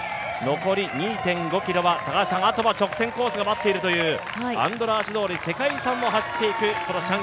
残り２．５ｋｍはあとは直線コースが待っているというアンドラーシ通り、世界遺産のコースです。